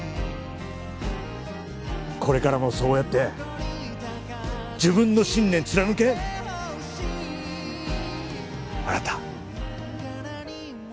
これからもそうやって自分の信念貫け新！